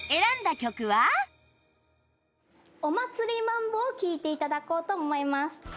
『お祭りマンボ』を聴いていただこうと思います。